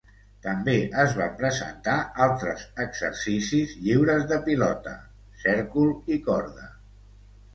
També es van presentar altres exercicis lliures de pilota, cèrcol i corda.